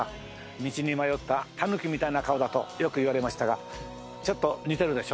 道に迷ったたぬきみたいな顔だとよく言われましたがちょっと似てるでしょ？